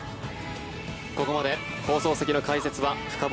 ここまで放送席の解説は深堀